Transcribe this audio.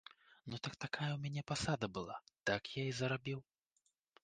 Ну так такая ў мяне пасада была, так я зарабіў.